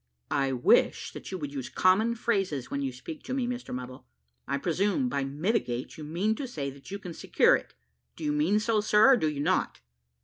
"I wish that you would use common phrases, when you speak to me, Mr Muddle. I presume, by mitigate, you mean to say that you can secure it. Do you mean so, sir, or do you not?"